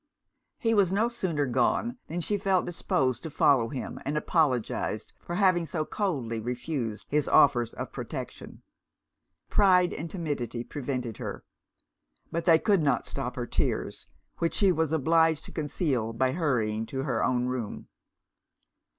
He was no sooner gone, than she felt disposed to follow him and apologize for her having so coldly refused his offers of protection. Pride and timidity prevented her; but they could not stop her tears, which she was obliged to conceal by hurrying to her own room.